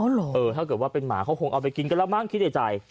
อ๋อเหรอเออถ้าเกิดว่าเป็นหมาเขาคงเอาไปกินกันแล้วบ้างคิดใจใจ